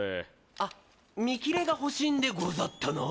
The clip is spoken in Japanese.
あっ見切れが欲しいんでござったな。